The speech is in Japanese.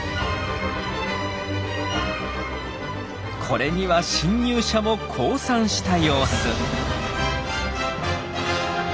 これには侵入者も降参した様子。